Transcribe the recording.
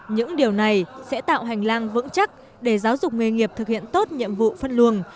những điều này sẽ tạo hành lang vững chắc để giáo dục nghề nghiệp thực hiện tốt nhiệm vụ phân luồng